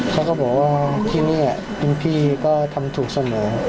เขาก็บอกว่าที่นี่เป็นพี่ก็ทำถูกเสมอ